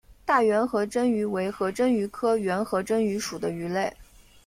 大圆颌针鱼为颌针鱼科圆颌针鱼属的鱼类。